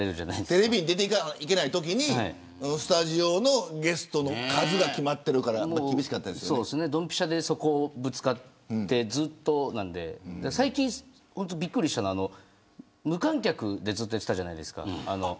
テレビに出ていかないといけないときにスタジオのゲストの数が決まってるからどんぴしゃで、そこにぶつかって、ずっとなので最近びっくりしたのが無観客でずっとやっていたじゃないですか。